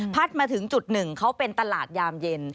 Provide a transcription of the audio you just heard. มาถึงจุดหนึ่งเขาเป็นตลาดยามเย็น